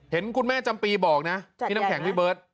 เห็นคุณแม่จำปีบอกนะพี่น้ำแข็งพี่เบิร์ต